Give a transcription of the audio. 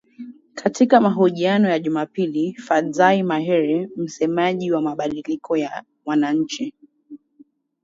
Katika mahojiano ya Jumapili, Fadzayi Mahere, msemaji wa mabadiliko ya wananchi.